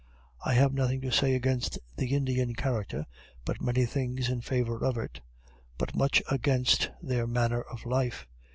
I have nothing to say against the Indian character but many things in favor of it but much against their manner of life.